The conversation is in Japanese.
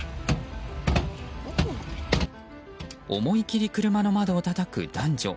思い切り車の窓をたたく男女。